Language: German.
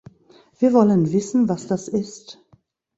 Wir wollen wissen, was das ist.